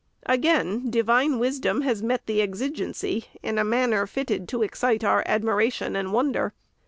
Again, Divine Wisdom has met the exi gency in a manner fitted to excite our admiration and wonder.